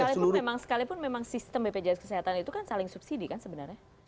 sekalipun memang sekalipun memang sistem bpjs kesehatan itu kan saling subsidi kan sebenarnya